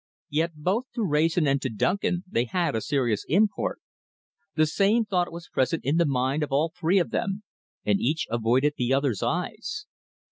Yet both to Wrayson and to Duncan they had a serious import. The same thought was present in the mind of all three of them and each avoided the others' eyes.